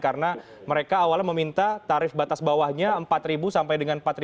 karena mereka awalnya meminta tarif batas bawahnya empat sampai dengan empat lima ratus pak